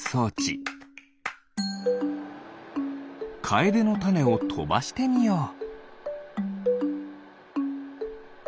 カエデのタネをとばしてみよう。